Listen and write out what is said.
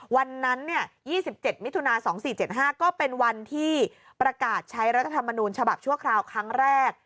วันนั้น๒๗มิถุนา๒๔๗๕ก็เป็นวันที่ประกาศใช้รัฐธรรมนูญฉบับชั่วคราวครั้งแรก